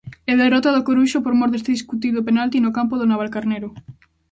E derrota do Coruxo por mor deste discutido penalti no campo do Navalcarnero.